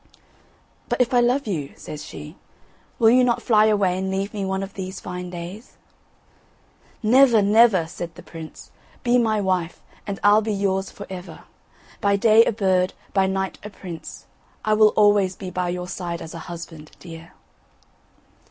"But if I love you," says she, "will you not fly away and leave me one of these fine days?" "Never, never," said the prince; "be my wife and I'll be yours for ever. By day a bird, by night a prince, I will always be by your side as a husband, dear."